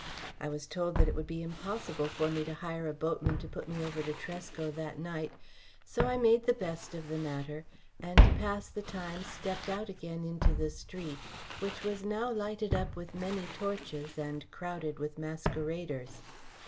I was told that it would be impossible for me to hire a boatman to put me over to Tresco that night; so I made the best of the matter, and to pass the time stepped out again into the street, which was now lighted up with many torches and crowded with masqueraders.